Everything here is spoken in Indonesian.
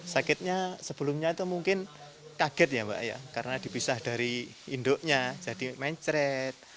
sakitnya sebelumnya itu mungkin kaget ya mbak ya karena dipisah dari induknya jadi mencret